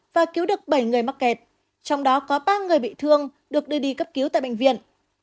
và cứu được bảy người mắc kẹt trong đó có ba người bị thương được đưa đi cấp cứu tại bệnh viện